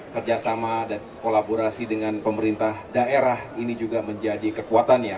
kerjasama dan kolaborasi dengan pemerintah daerah ini juga menjadi kekuatan ya